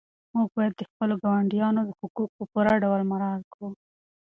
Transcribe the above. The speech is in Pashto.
موږ باید د خپلو ګاونډیانو حقوق په پوره ډول مراعات کړو.